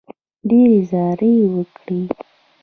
ډېرې زارۍ یې وکړې.